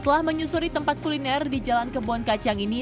setelah menyusuri tempat kuliner di jalan kebonkacang ini